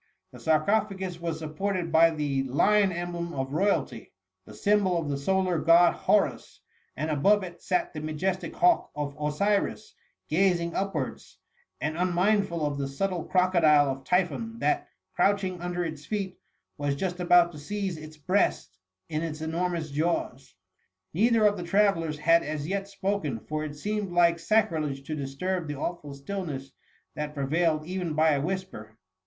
The sarcophagus was supported by tlie lion emblem oftoyalty, the symbol of the solar god Horus ; and above it sat the majestic hawk of Osiris, gazing upwards, and unmindful of the subtle crocodile of Typhon, that, crouching under its feet, was just about to seize its breast in its enormous jaws. Neither of the travellers had as yet spoken, for it seemed like sacrilege to disturb the awful stillness that prevailed even by a whisper.